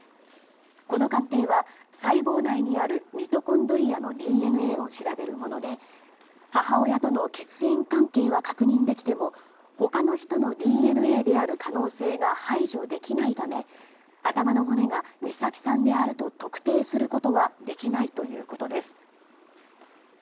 この鑑定は細胞内にあるミトコンドリアのＤＮＡを調べるもので母親との血縁関係は確認できても他の人のＤＮＡである可能性が排除できないため頭の骨が美咲さんであると特定することはできないということです。